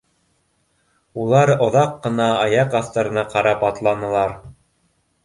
Улар оҙаҡ ҡына аяҡ аҫтарына ҡарап атланылар